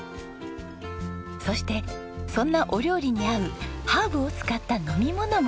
そしてそんなお料理に合うハーブを使った飲み物も誕生しました。